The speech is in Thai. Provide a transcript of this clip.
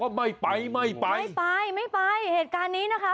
ไม่ไปไม่ไปไม่ไปไม่ไปเหตุการณ์นี้นะคะ